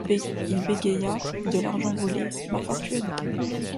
Il bégaya: — De l’argent volé, ma fortune!